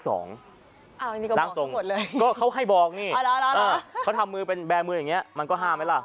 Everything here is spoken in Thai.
อันนี้ก็บอกทั้งหมดเลยเขาให้บอกนี่เขาแบมืออย่างนี้มันก็๕ไหมล่ะ